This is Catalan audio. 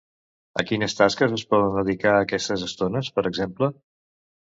A quines tasques es poden dedicar aquestes estones, per exemple?